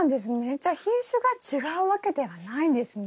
じゃあ品種が違うわけではないんですね。